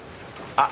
あっ。